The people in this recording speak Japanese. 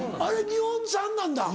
日本産なんです。